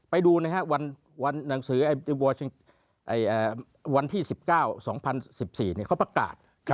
ไปดูนะครับวันหนังสือวันที่๑๙๒๐๑๔เขาประกาศ